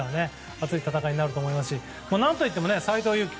熱い戦いになると思いますし何といっても斎藤佑樹